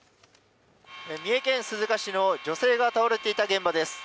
三重県鈴鹿市の女性が倒れていた現場です。